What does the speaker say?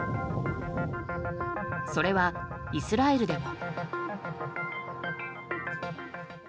それはイスラエルでも。